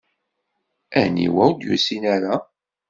Aniwa ur d-yusin ara?